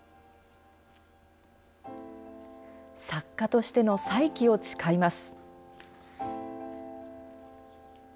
作家としての再起を誓います。